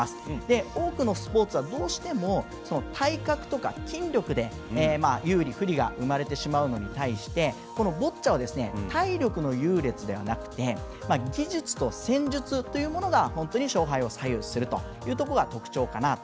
多くのスポーツはどうしても体格とか筋力で有利、不利が生まれてしまうのに対してボッチャは体力の優劣ではなくて技術と戦術と言うものが本当に勝敗を左右するというところが特徴かなと。